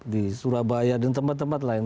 di surabaya dan tempat tempat lain